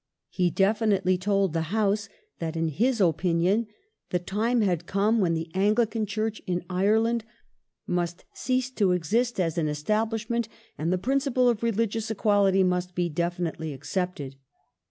He definitely told the House that in his opinion the time had come when the Anglican Church in Ireland must cease to exist as an Establishment, and the principle of re ligious equality must be definitely accepted.